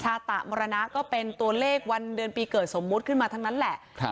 ตะมรณะก็เป็นตัวเลขวันเดือนปีเกิดสมมุติขึ้นมาทั้งนั้นแหละ